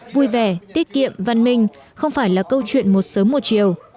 vui vẻ tiết kiệm văn minh không phải là câu chuyện một sớm một chiều